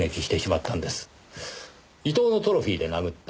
「イトウのトロフィーで殴った」